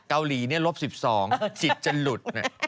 เกาหลีนี่รบ๑๒สิทธิ์จะหลุด